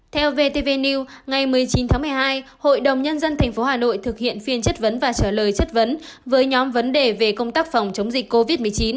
theo vtv new ngày một mươi chín tháng một mươi hai hội đồng nhân dân tp hà nội thực hiện phiên chất vấn và trả lời chất vấn với nhóm vấn đề về công tác phòng chống dịch covid một mươi chín